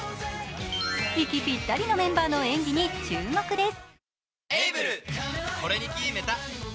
息ぴったりのメンバーの演技に注目です。